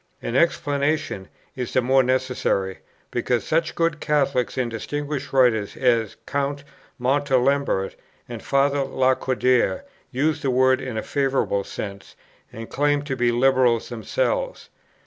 An explanation is the more necessary, because such good Catholics and distinguished writers as Count Montalembert and Father Lacordaire use the word in a favorable sense, and claim to be Liberals themselves.